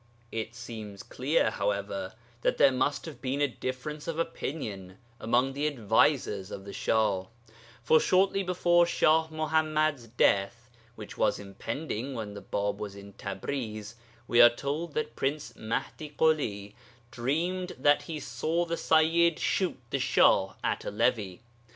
It seems clear, however, that there must have been a difference of opinion among the advisers of the Shah, for shortly before Shah Muḥammad's death (which was impending when the Bāb was in Tabriz) we are told that Prince Mahdi Kuli dreamed that he saw the Sayyid shoot the Shah at a levee.